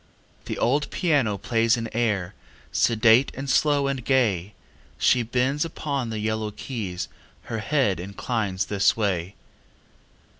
The old piano plays an air, Sedate and slow and gay; She bends upon the yellow keys, Her head inclines this way.